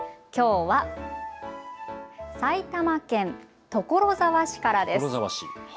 きょうは埼玉県所沢市からです。